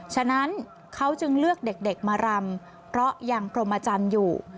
ฉะนั้นเขาจึงเลือกเด็กมารำเพราะยังกรมจันทร์อยู่